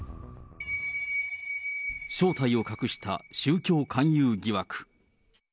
正体を隠した宗教勧誘疑惑。